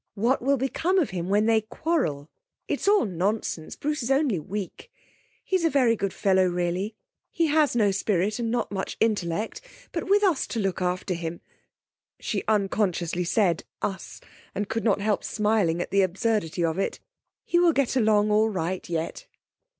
What will become of him when they quarrel! It's all nonsense. Bruce is only weak. He's a very good fellow, really. He has no spirit, and not much intellect; but with us to look after him,' she unconsciously said us, and could not help smiling at the absurdity of it,' he will get along all right yet.'